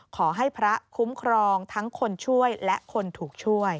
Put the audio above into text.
ขอให้พระคุ้มครองทั้งคนช่วยและคนถูกช่วย